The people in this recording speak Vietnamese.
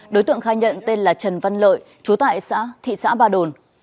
đối tượng khai nhận tên là trần văn lợi chú tại xã thị xã ba đồn